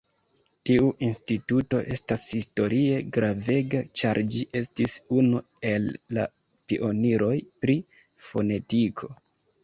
Tiu instituto estas historie gravega, ĉar ĝi estis unu el la pioniroj pri fonetiko.